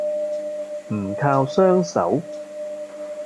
唔靠雙手